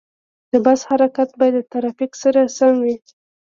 د بس حرکت باید د ترافیک سره سم وي.